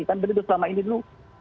kan begitu selama ini dulu